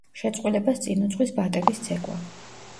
შეწყვილებას წინ უძღვის ბატების ცეკვა.